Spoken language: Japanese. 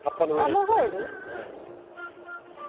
アマガエル？